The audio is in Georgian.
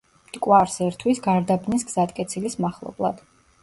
მტკვარს ერთვის გარდაბნის გზატკეცილის მახლობლად.